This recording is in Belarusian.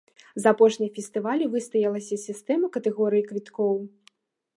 За апошнія фестывалі выстаялася сістэма катэгорый квіткоў.